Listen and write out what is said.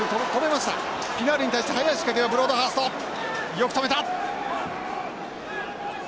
よく止めた！